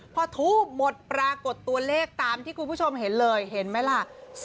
พอทูบหมดปรากฏตัวเลขตามที่คุณผู้ชมเห็นเลยเห็นไหมล่ะ